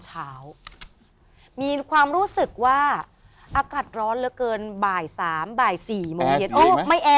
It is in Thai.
เช้ามีความรู้สึกว่าอากาศร้อนแล้วเกินบ่ายสามบ่ายสี่โมงเทียดเนี่ยไม้แอ